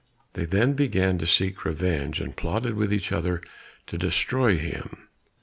They then began to seek revenge, and plotted with each other to destroy him.